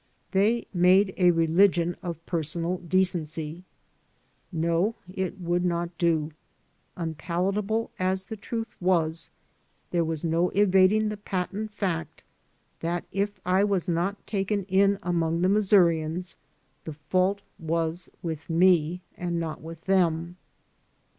They made a religion of personal decency. No, it would not do. Unpalatable as the truth was, there was no evading the patent fact that if I was not taken in among the Missourians the fault was with me and not with them.